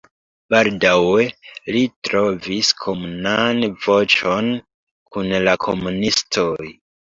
Baldaŭe li trovis komunan voĉon kun la komunistoj.